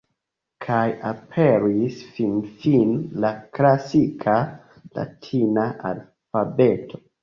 Kaj aperis finfine la "klasika" latina alfabeto.